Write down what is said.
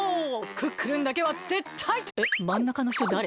クックルンだけはぜったいえっまんなかのひとだれ？